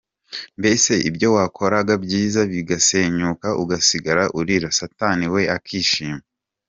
Mbese ibyo wakoraga byiza bigasenyuka ugasigara urira, satani we akishima.